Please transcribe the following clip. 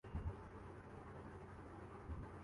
بھی یہ ظاہر کرتا ہے کہ وہ کسی ناگہانی آفت کا شکار